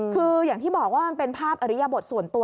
คืออย่างที่บอกว่ามันเป็นภาพอริยบทส่วนตัว